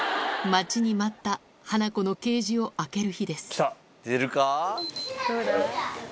待ちに待ったハナコのケージを開ける日です。